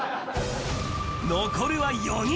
残るは４人。